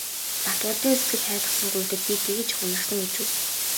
Батболдын сэтгэл хайлгасан гуйлтад би тэгж их уярсан гэж үү.